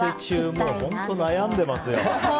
本当悩んでますよ。